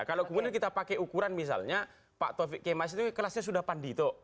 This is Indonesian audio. kalau kemudian kita pakai ukuran misalnya pak taufik kemas itu kelasnya sudah pandito